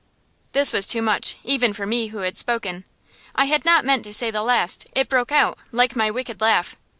This was too much, even for me who had spoken. I had not meant to say the last. It broke out, like my wicked laugh.